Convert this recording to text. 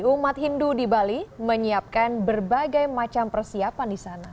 umat hindu di bali menyiapkan berbagai macam persiapan di sana